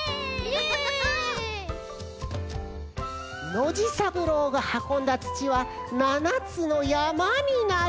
ノジさぶろうがはこんだつちは７つのやまになりました。